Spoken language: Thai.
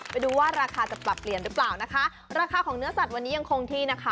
ไปดูว่าราคาจะปรับเปลี่ยนหรือเปล่านะคะราคาของเนื้อสัตว์วันนี้ยังคงที่นะคะ